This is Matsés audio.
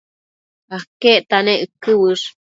aquecta nec uëquë uësh?